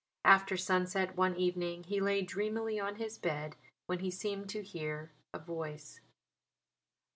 After sunset one evening he lay dreamily on his bed when he seemed to hear a voice.